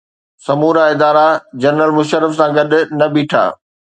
سمورا ادارا جنرل مشرف سان گڏ نه بيٺا.